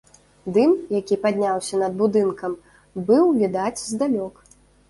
Дым, які падняўся над будынкам, быў відаць здалёк.